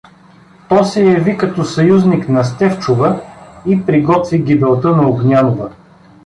То се яви като съюзник на Стефчова и приготви гибелта на Огнянова.